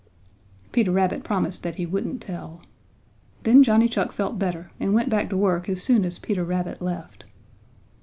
Peter Rabbit promised that he wouldn't tell. Then Johnny Chuck felt better and went back to work as soon as Peter Rabbit left.